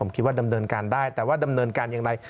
ผมคิดว่าดำเนินการได้แต่ว่าดำเนินการอย่างไร